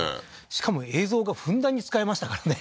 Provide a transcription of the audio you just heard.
しかも映像がふんだんに使えましたからね